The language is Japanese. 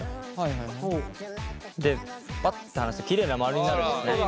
でパッて離すときれいな丸になるんですね。